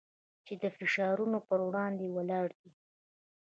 چې د فشارونو پر وړاندې ولاړ دی.